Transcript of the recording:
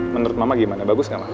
menurut mama gimana bagus gak lama